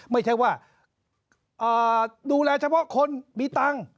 ไม่ใช่ว่าดูแลเฉพาะคนมีตังค์